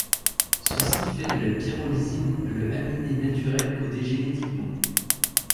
Ceci fait de la pyrrolysine le aminé naturel codé génétiquement.